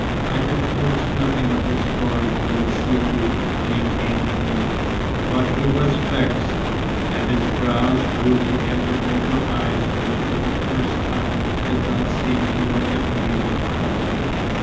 I could coax nothing of the story from the Sidi when he came to me, but he was vexed, and his brows drew together over eyes which for the first time did not seem to look at me with pleasure."